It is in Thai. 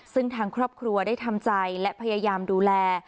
ซึ่งทางครอบครัวได้ทำใจและพยายามดูแล